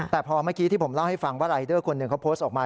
แต่พอเมื่อกี้ที่ผมเล่าให้ฟังว่ารายเดอร์คนหนึ่งเขาโพสต์ออกมา